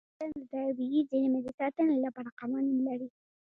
افغانستان د طبیعي زیرمې د ساتنې لپاره قوانین لري.